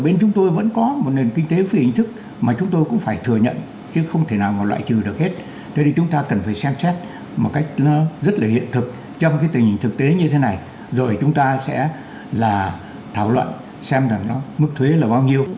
bên chúng tôi vẫn có một nền kinh tế phi hình thức mà chúng tôi cũng phải thừa nhận chứ không thể nào mà loại trừ được hết cho nên chúng ta cần phải xem xét một cách rất là hiện thực trong cái tình hình thực tế như thế này rồi chúng ta sẽ là thảo luận xem rằng là mức thuế là bao nhiêu